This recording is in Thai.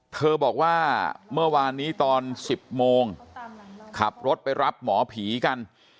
เธอบอกว่าเมื่อวานนี้ตอน๑๐โมงขับรถไปรับหมอผีกัน